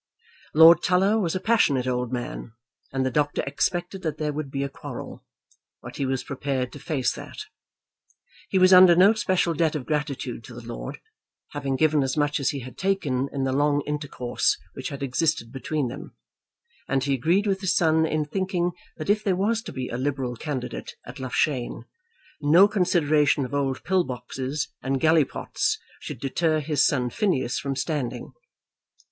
Lord Tulla was a passionate old man, and the doctor expected that there would be a quarrel; but he was prepared to face that. He was under no special debt of gratitude to the lord, having given as much as he had taken in the long intercourse which had existed between them; and he agreed with his son in thinking that if there was to be a Liberal candidate at Loughshane, no consideration of old pill boxes and gallipots should deter his son Phineas from standing.